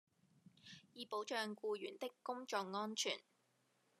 以保障僱員的工作安全